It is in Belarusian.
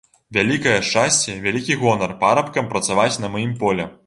Вялікае шчасце, вялікі гонар парабкам працаваць на маім полі.